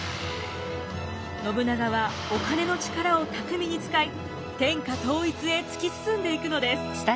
信長はお金の力を巧みに使い天下統一へ突き進んでいくのです。